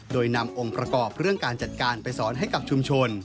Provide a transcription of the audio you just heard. โดยนำองค์ประกอบเรื่องการจัดการไปสอนให้กับชุมชน